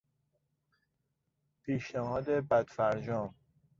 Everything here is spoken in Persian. پیشنهاد بد فرجام